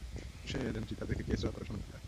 সেই এজেন্সি তাদেরকে কেস এবং অপারেশন পাঠায়।